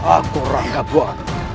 aku rangkap bahwa